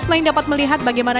selain dapat melihat bagaimana